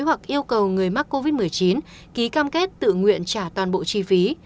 hoặc yêu cầu người mắc covid một mươi chín ký cam kết tự nguyện trả toàn bộ chi phí